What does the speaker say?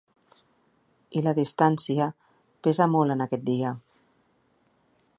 I la distància pesa molt en aquest dia.